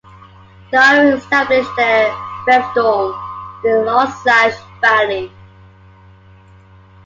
The Irings established their fiefdom in the Loisach valley.